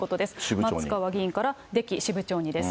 松川議員から出来支部長にです。